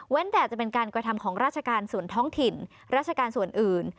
แต่จะเป็นการกระทำของราชการส่วนท้องถิ่นราชการส่วนอื่น